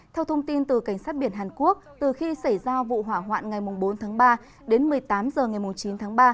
theo thông tin từ cảnh sát biển hàn quốc từ khi xảy ra vụ hỏa hoạn ngày bốn tháng ba đến một mươi tám h ngày chín tháng ba